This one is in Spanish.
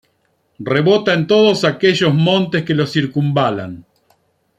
rebota en todos aquellos montes que lo circunvalan